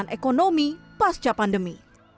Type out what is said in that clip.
dan ekonomi pasca pandemi